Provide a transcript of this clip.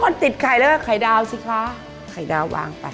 คอนติดไข่แล้วใครดาวซิคะไข่ดาววางไป